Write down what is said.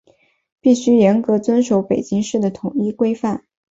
必须严格遵守北京市的统一规范